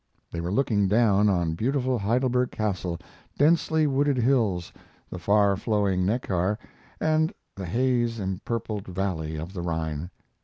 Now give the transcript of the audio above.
They were looking down on beautiful Heidelberg Castle, densely wooded hills, the far flowing Neckar, and the haze empurpled valley of the Rhine.